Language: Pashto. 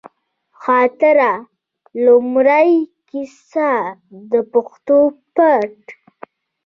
خاطره، لومړۍ کیسه ، د پښتو پت